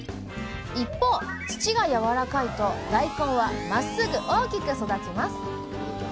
一方土がやわらかいと大根はまっすぐ大きく育ちます。